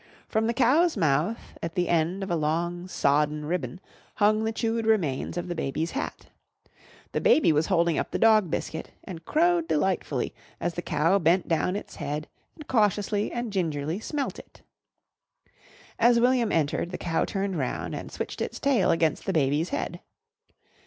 From the cow's mouth at the end of a long, sodden ribbon, hung the chewed remains of the baby's hat. The baby was holding up the dog biscuit and crowed delightfully as the cow bent down its head and cautiously and gingerly smelt it. As William entered, the cow turned round and switched its tail against the baby's head.